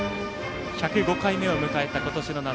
１０５回目を迎えた今年の夏。